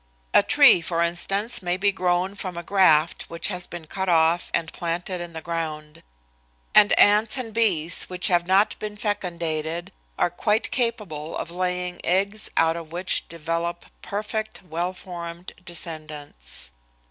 A tree, for instance, may be grown from a graft which has been cut off and planted in the ground. And ants and bees which have not been fecundated are quite capable of laying eggs out of which develop perfect, well formed descendants.